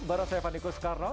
baru saya fadiko skarno